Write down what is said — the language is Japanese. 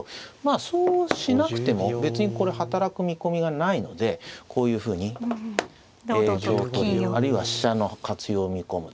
あそうしなくても別にこれ働く見込みがないのでこういうふうに香取りあるいは飛車の活用を見込む。